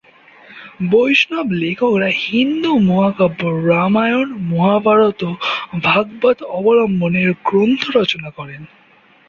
বৈষ্ণব লেখকেরা হিন্দু মহাকাব্য রামায়ণ, মহাভারত ও ভাগবত অবলম্বনে গ্রন্থ রচনা করেন।